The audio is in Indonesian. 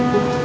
hah masa sih